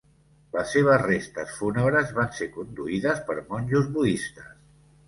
Les seves restes fúnebres van ser conduïdes per monjos budistes.